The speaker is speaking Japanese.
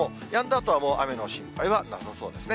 あとは、もう雨の心配はなさそうですね。